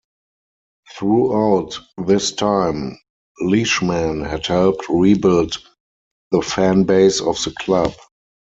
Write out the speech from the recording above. Throughout this time Leishman had helped rebuild the fanbase of the club.